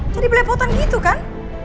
jadi belepotan gitu kan